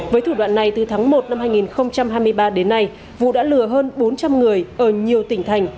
với thủ đoạn này từ tháng một năm hai nghìn hai mươi ba đến nay vũ đã lừa hơn bốn trăm linh người ở nhiều tỉnh thành